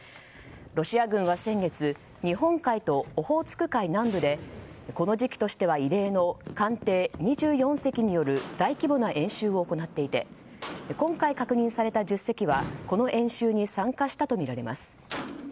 ロシア軍は先月日本海とオホーツク海南部でこの時期としては異例の艦艇２４隻による大規模な演習を行っていて今回、確認された１０隻はこの演習に参加したとみられます。